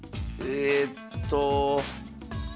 えっと。